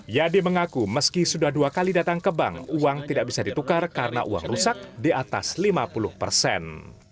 yadi mengaku meski sudah dua kali datang ke bank uang tidak bisa ditukar karena uang rusak di atas lima puluh persen